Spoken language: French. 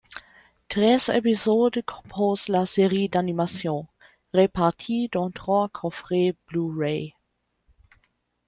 Treize épisodes composent la série d'animation, répartis dans trois coffrets Blu-ray.